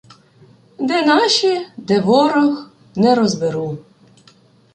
Де наші, де ворог — не розберу.